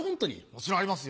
もちろんありますよ。